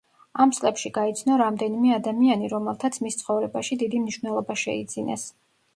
ამ წლებში გაიცნო რამდენიმე ადამიანი, რომელთაც მის ცხოვრებაში დიდი მნიშვნელობა შეიძინეს.